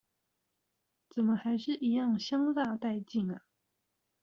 怎麼還是一樣香辣帶勁啊！